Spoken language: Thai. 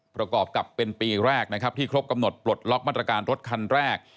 ประกอบกับเป็นปีแรกนะครับที่ครบกำหนดปลดล็อกมาตรการรถคันแรก